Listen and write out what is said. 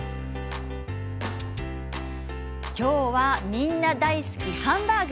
今日はみんな大好きハンバーグ。